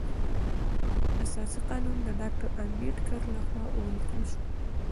اساسي قانون د ډاکټر امبیډکر لخوا ولیکل شو.